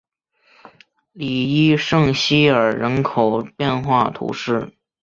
里伊圣西尔人口变化图示